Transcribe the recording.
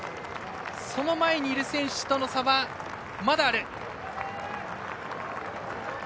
その前にいる選手との差はまだある。